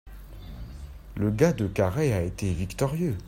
le gars de Carhaix a été victorieux.